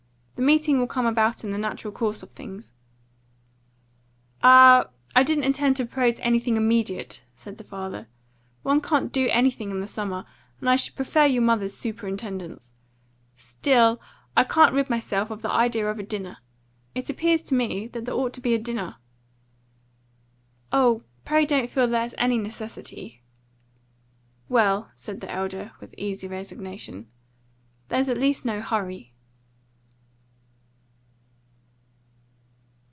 The meeting will come about in the natural course of things." "Ah, I didn't intend to propose anything immediate," said the father. "One can't do anything in the summer, and I should prefer your mother's superintendence. Still, I can't rid myself of the idea of a dinner. It appears to me that there ought to be a dinner." "Oh, pray don't feel that there's any necessity." "Well," said the elder, with easy resignation, "there's at least no hurry."